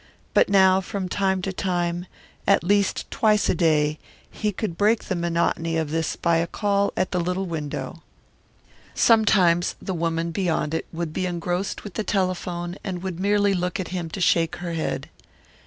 But now from time to time, at least twice a day, he could break the monotony of this by a call at the little window. Sometimes the woman beyond it would be engrossed with the telephone and would merely look at him to shake her head.